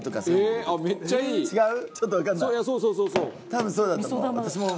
多分そうだと思う。